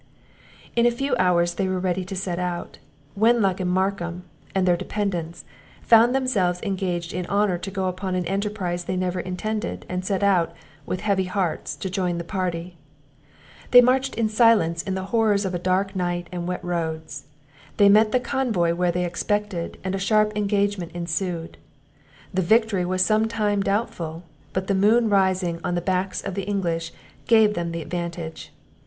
In a few hours they were ready to set out. Wenlock and Markham, and their dependants, found themselves engaged in honour to go upon an enterprize they never intended; and set out, with heavy hearts, to join the party. They marched in silence in the horrors of a dark night, and wet roads; they met the convoy where they expected, and a sharp engagement ensued. The victory was some time doubtful; but the moon rising on the backs of the English, gave them the advantage.